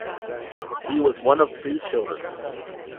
He was one of three children.